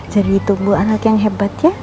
jadi tubuh anak yang hebat ya